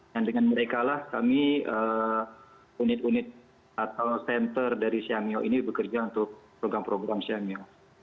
dan dengan mereka kami unit unit atau senter dari simeo ini bekerja untuk program program simeo